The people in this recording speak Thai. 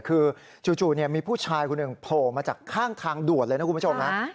คือจู่มีผู้ชายคนหนึ่งโผล่มาจากข้างทางด่วนเลยนะคุณผู้ชมนะ